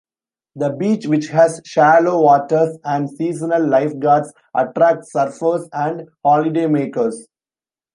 The beach, which has shallow waters and seasonal lifeguards, attracts surfers and holidaymakers.